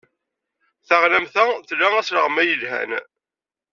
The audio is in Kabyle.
Taɣlamt-a tla asleɣmay yelhan.